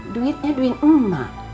duitnya duit emak